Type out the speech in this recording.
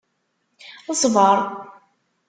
Ṣbeṛ!